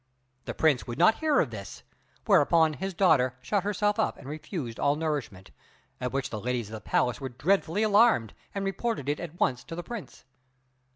The Prince would not hear of this, whereupon his daughter shut herself up and refused all nourishment, at which the ladies of the palace were dreadfully alarmed, and reported it at once to the Prince.